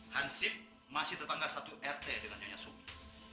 hansip masih tetangga satu rt dengan nyonya sumi